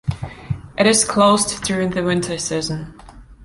It is closed during the winter season.